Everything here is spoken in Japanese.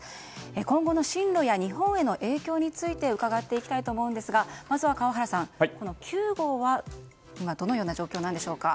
今後の進路や日本への影響について伺いたいと思いますがまずは川原さん、９号は今どのような状況でしょうか。